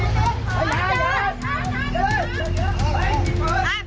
มีประวัติศาสตร์ที่สุดในประวัติศาสตร์